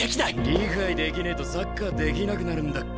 理解できねえとサッカーできなくなるんだっけ？